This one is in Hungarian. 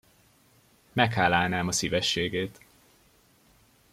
Meghálálnám a szívességét.